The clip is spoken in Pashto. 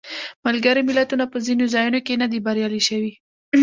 ملګري ملتونه په ځینو ځایونو کې نه دي بریالي شوي.